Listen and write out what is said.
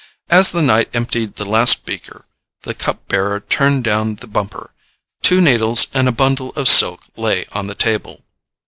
As the knight emptied the last beaker the cup bearer turned down the bumper. Two needles and a bundle of silk lay on the table.